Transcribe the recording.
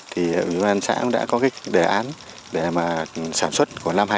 thì hội nông dân đã có đề án để sản xuất